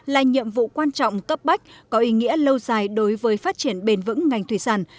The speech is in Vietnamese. là nhiệm vụ quan trọng cấp bách có ý nghĩa lâu dài đối với phát triển bền vững ngành thủy sản